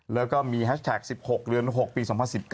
แล้วก็มีแฮชแท็ก๑๖เรือน๖ปี๒๐๑๙